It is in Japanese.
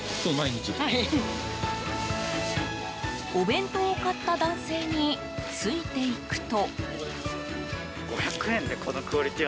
お弁当を買った男性についていくと。